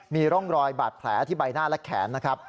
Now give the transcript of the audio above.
มีร่องรอยบาดแผลที่ใบหน้าและแขนนะครับ